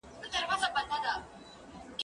که وخت وي بوټونه پاکوم